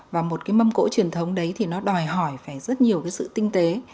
và một cái mâm cỗ truyền thống đấy thì nó đòi hỏi phải rất nhiều cái sự tinh tế